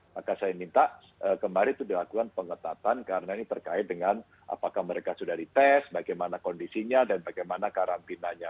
maka saya minta kemarin itu dilakukan pengetatan karena ini terkait dengan apakah mereka sudah dites bagaimana kondisinya dan bagaimana karantinanya